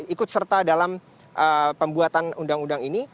ikut serta dalam pembuatan undang undang ini